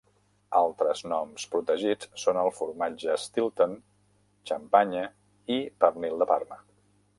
Altres noms protegits són el formatge Stilton, Champagne i pernil de Parma.